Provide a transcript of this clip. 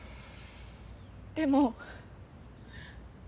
でも。